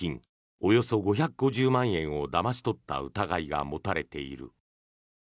およそ５５０万円をだまし取った疑いが持たれている。